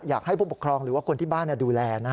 อยากให้ผู้ปกครองหรือว่าคนที่บ้านดูแล